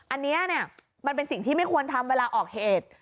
อันนี้เนี่ยมันเป็นสิ่งที่ไม่ควรทำเวลาออกเหตุ